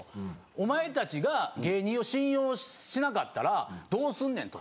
お前達が芸人を信用しなかったらどうすんねんと。